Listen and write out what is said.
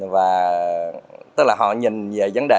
và tức là họ nhìn về vấn đề